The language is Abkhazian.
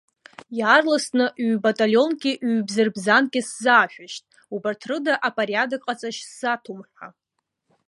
Иаарласны ҩ-баталионки ҩ-бзырбзанки сзаашәышьҭ, убарҭ рыда апориадок ҟаҵашьа сзаҭом ҳәа.